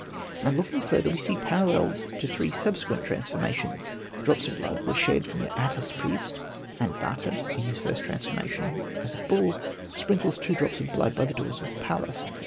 And looking further, we see parallels to the three subsequent transforma tions. Drops of blood were shed from the Atys priest ; and Bata, in his first transforma tion as a bull, sprinkles two drops of blood by the doors of the palace.